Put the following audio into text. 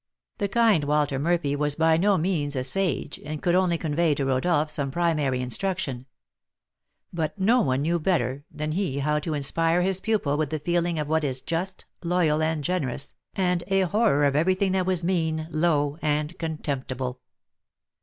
The kind Walter Murphy was by no means a sage, and could only convey to Rodolph some primary instruction; but no one knew better than he how to inspire his pupil with the feeling of what is just, loyal, and generous, and a horror of every thing that was mean, low, and contemptible.